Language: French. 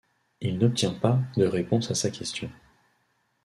Il n'obtient pas de réponse à sa question.